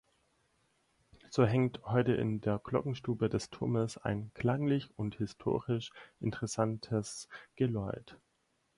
So hängt heute in der Glockenstube des Turmes ein klanglich und historisch interessantes Geläut.